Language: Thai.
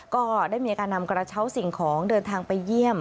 ก็ได้มีการนำกระเช้าสิ่งของเดินทางไปเยี่ยม